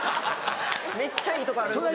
めっちゃいいとこあるんですよ。